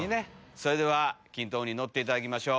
それでは筋斗雲に乗っていただきましょう。